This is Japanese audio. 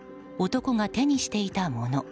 男が手にしていたもの。